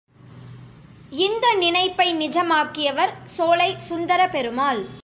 இந்த நினைப்பை நிஜமாக்கியவர் சோலை சுந்தரபெருமாள்.